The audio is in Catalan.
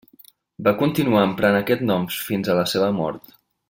Va continuar emprant aquest nom fins a la seva mort.